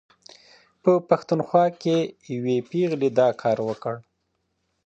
په پښتونخوا کې یوې پېغلې دا کار وکړ.